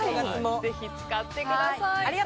ぜひ使ってください。